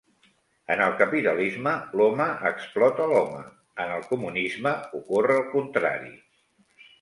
En el capitalisme l'home explota l'home; en el comunisme ocorre el contrari.